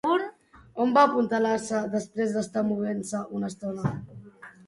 On va apuntalar-se després d'estar movent-se una estona?